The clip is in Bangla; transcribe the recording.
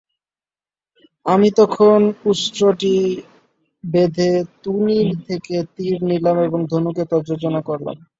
আমি তখন উষ্ট্রটি বেঁধে তুনীর থেকে তীর নিলাম এবং ধনুকে তা যোজনা করলাম।